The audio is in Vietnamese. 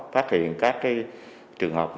phát hiện các trường hợp